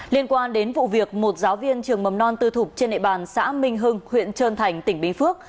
liên quan đến vụ việc một giáo viên trường mầm non tư thục trên nệ bàn xã minh hưng huyện trơn thành tỉnh bình phước